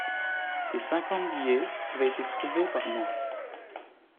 Tes cinquante billets avaient été trouvés par moi.